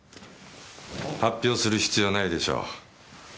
発表する必要ないでしょう。